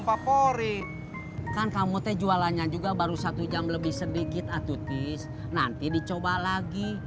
favorit kan kamu teh jualannya juga baru satu jam lebih sedikit atutis nanti dicoba lagi